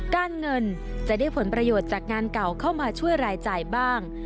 การเงินจะได้ผลประโยชน์จากงานเก่าเข้ามาช่วยรายจ่ายบ้าง